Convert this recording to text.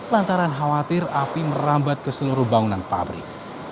lantaran khawatir api merambat ke seluruh bangunan pabrik